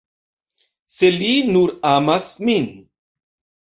Se li nur amas min.